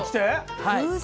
はい。